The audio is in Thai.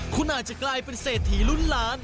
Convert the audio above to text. คุณอาจจะกลายเป็นเศรษฐีลุ้นล้าน